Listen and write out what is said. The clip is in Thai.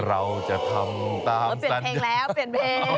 เราจะทำตามสัญญาณ